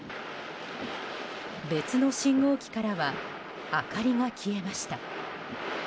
別の信号機からは明かりが消えました。